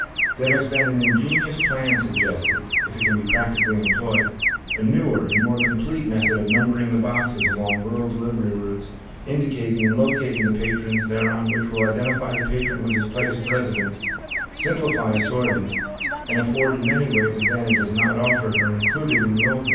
There has been an ingenious plan suggested (if it can be practically employed), a newer and more complete method of numbering the boxes along rural delivery routes indicating and locating the patrons thereon which will identify the patron with his place of residence, simplify assorting, and afford in many ways advantages not offered or included in the old method.